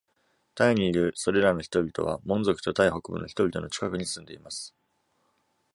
タイにいるそれらの人々はモン族とタイ北部の人々の近くに住んでいます。